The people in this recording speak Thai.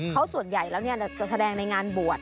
เขาส่วนใหญ่แล้วเนี่ยจะแสดงในงานปวด